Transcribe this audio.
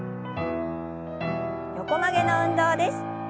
横曲げの運動です。